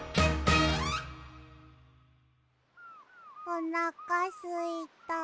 おなかすいた。